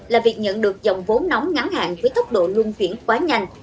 là việc nhận được dòng vốn nóng ngắn hạn với thốc độ luôn chuyển quá nhanh